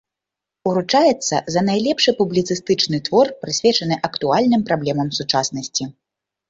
Уручаецца за найлепшы публіцыстычны твор, прысвечаны актуальным праблемам сучаснасці.